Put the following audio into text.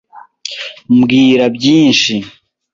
Mbwira byinshi.